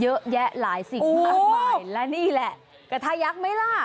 เยอะแยะหลายสิ่งมากมายและนี่แหละกระทายักษ์ไหมล่ะ